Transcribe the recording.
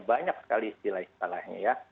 banyak sekali istilah istilahnya ya